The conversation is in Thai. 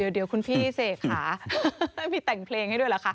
เดี๋ยวคุณพี่เสกค่ะแล้วมีแต่งเพลงให้ด้วยเหรอคะ